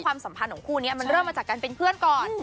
คุณคู่เริ่มมาจากการเป็นเพื่อนก่อน